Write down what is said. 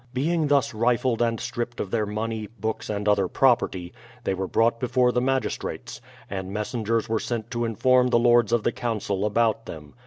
Being thus rifled and stripped of their money, books, and other property, they were brought before the magistrates, and messengers were sent to inform the Lords of the Council about them.